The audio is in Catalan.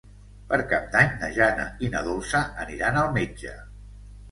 Per Cap d'Any na Jana i na Dolça aniran al metge.